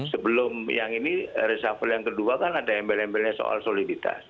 sebelum yang ini reshuffle yang kedua kan ada embel embelnya soal soliditas